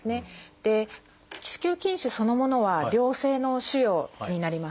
子宮筋腫そのものは良性の腫瘍になります。